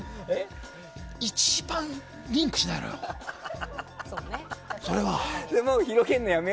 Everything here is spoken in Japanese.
一番リンクしないのよ